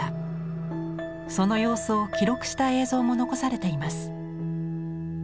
その様子を記録した映像も残されています。